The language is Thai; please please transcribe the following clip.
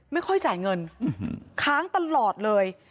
ไม่ค่อยจ่ายเงินค้างตลอดเลย